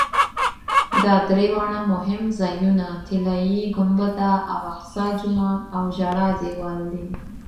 دا درې واړه مهم ځایونه طلایي ګنبده او اقصی جومات او ژړا دیوال دي.